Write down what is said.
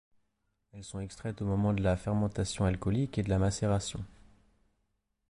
Elles sont extraites au moment de la fermentation alcoolique et de la macération.